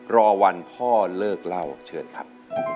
รอวันพ่อเลิกเล่าเชิญครับ